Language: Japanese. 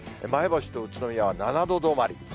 前橋と宇都宮が７度止まり。